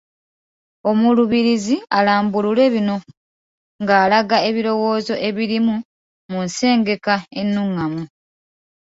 Omuluubirizi alambulule bino ng’alaga ebirowoozo ebirimu mu nsengeka ennungamu